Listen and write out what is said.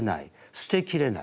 捨てきれない。